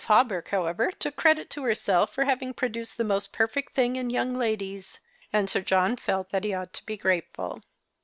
Hawberk, however, took credit to herself for having produced the most perfect thing in young ladies ; and Sir John felt that he ought to be grateful.